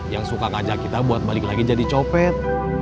yang suka ngajak kita buat balik lagi jadi copet